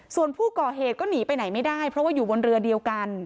ส่วนผู้ก่อเหตุก็หนีไปไหนไม่ได้เพราะว่าอยู่บนเรือเดียวกัน